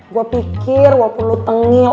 gue pikir walaupun lo tengil